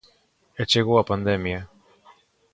E chegou a pandemia.